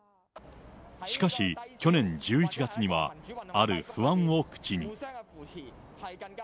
しかし、去年１１月には、ある不安を口に。